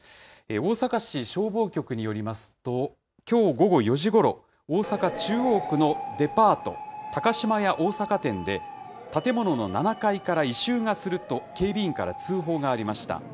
大阪市消防局によりますと、きょう午後４時ごろ、大阪・中央区のデパート、高島屋大阪店で建物の７階から異臭がすると警備員から通報がありました。